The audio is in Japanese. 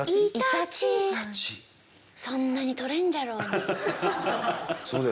そんなにとれんじゃろうに。